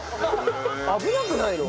危なくないの？